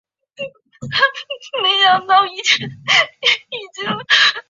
此病毒并不会感染人。